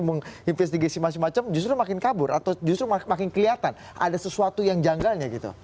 menginvestigasi macam macam justru makin kabur atau justru makin kelihatan ada sesuatu yang janggalnya gitu